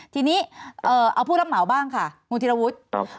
ทีนี้เอาผู้รับเหมาบ้างค่ะคุณธิรวุฒิ